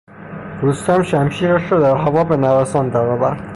رستم شمشیرش را در هوا به نوسان در آورد.